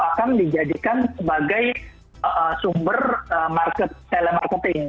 akan dijadikan sebagai sumber telemeketing